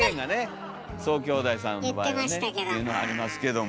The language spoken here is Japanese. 宗兄弟さんの場合はねっていうのありますけども。